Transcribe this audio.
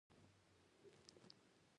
مستقیم اړیکي ټینګ کړي.